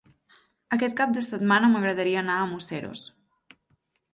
Aquest cap de setmana m'agradaria anar a Museros.